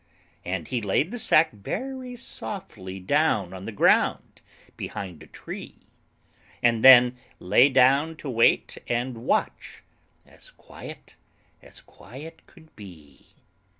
And he laid the sack very softly down On the ground behind a tree, And then lay down to wait and watch, As quiet as quiet could be.